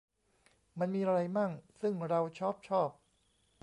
มันมีไรมั่ง ซึ่งเราช้อบชอบ